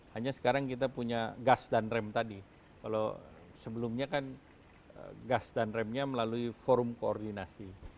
hanya sekarang kita punya gas dan rem tadi kalau sebelumnya kan gas dan remnya melalui forum koordinasi